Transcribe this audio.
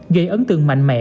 gây ấn tượng mạnh mẽ